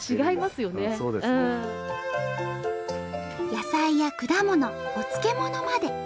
野菜や果物お漬物まで。